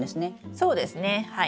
そうですねはい。